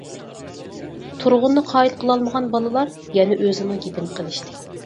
تۇرغۇننى قايىل قىلالمىغان بالىلار يەنە ئۆزىنىڭ گېپىنى قىلىشتى.